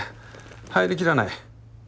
入りきらない。